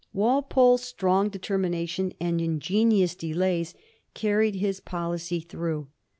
Walpole's strong determination and ingen ious delays carried his policy through.